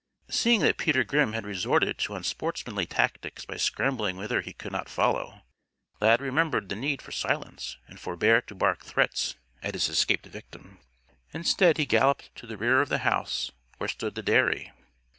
Seeing that Peter Grimm had resorted to unsportsmanly tactics by scrambling whither he could not follow, Lad remembered the need for silence and forbore to bark threats at his escaped victim. Instead, he galloped to the rear of the house where stood the dairy.